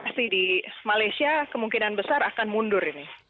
pasti di malaysia kemungkinan besar akan mundur ini